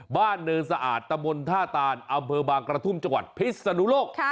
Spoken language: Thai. เนินสะอาดตะบนท่าตานอำเภอบางกระทุ่มจังหวัดพิษนุโลก